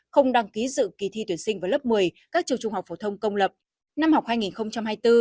không đăng ký dự kỳ thi tuyển sinh vào lớp một mươi các trường trung học phổ thông công lập năm học hai nghìn hai mươi bốn hai nghìn hai mươi năm